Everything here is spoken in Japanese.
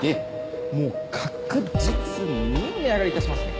もう確実に値上がりいたしますね。